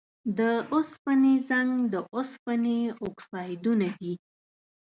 د اوسپنې زنګ د اوسپنې اکسایدونه دي.